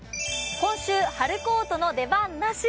今週、春コートの出番なし。